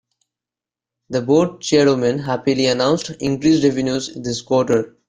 The board chairwoman happily announced increased revenues this quarter.